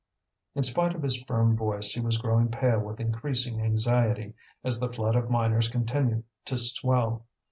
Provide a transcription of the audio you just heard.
In spite of his firm voice, he was growing pale with increasing anxiety, as the flood of miners continued to swell.